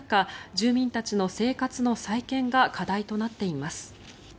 住民たちの生活の再建が課題となっています。